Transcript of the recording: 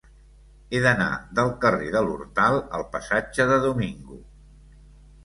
He d'anar del carrer de l'Hortal al passatge de Domingo.